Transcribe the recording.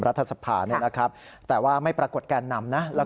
รัฐสภาเนี่ยนะครับแต่ว่าไม่ปรากฏแกนนำนะแล้วก็